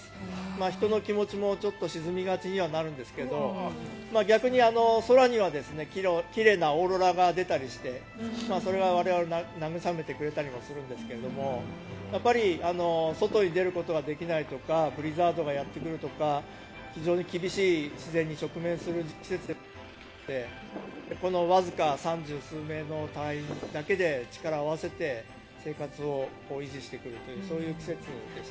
人の気持ちもちょっと沈みがちにはなるんですが逆に空には奇麗なオーロラが出たりしてそれは我々を慰めてくれたりもするんですがやっぱり外に出ることができないとかブリザードがやってくるとか非常に厳しい自然に直面する季節でこのわずか３０数名の隊員だけで力を合わせて生活を維持していくというそういう季節です。